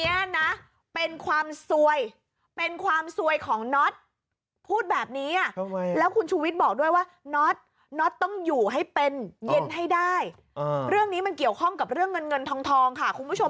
เย็นให้ได้เรื่องนี้มันเกี่ยวข้องกับเรื่องเงินเงินทองค่ะคุณผู้ชม